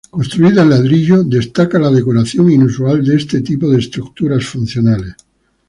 Construida en ladrillo, destaca la decoración inusual de este tipo de estructuras funcionales.